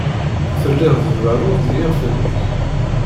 Tellid tberrud i yiɣef-nnek.